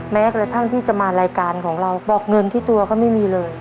แม้กระทั่งที่จะมารายการของเราบอกเงินที่ตัวก็ไม่มีเลย